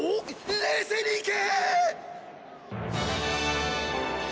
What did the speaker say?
冷静にいけ！